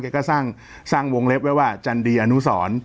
ก็สร้างวงเล็บไว้ว่าจันดีอนุสร